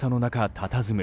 たたずむ